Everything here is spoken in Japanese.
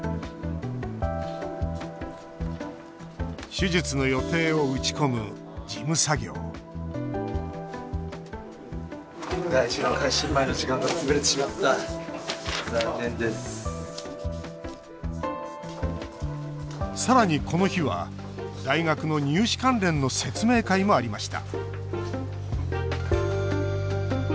手術の予定を打ち込む事務作業さらに、この日は大学の入試関連の説明会もありました